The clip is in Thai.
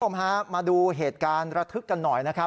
คุณผู้ชมฮะมาดูเหตุการณ์ระทึกกันหน่อยนะครับ